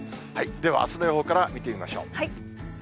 では、あすの予報から見てみましょう。